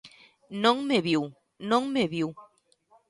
Non me viu, non me viu.